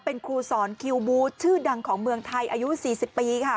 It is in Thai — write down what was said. เป็นครูสอนคิวบูธชื่อดังของเมืองไทยอายุ๔๐ปีค่ะ